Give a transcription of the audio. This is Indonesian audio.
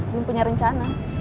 belum punya rencana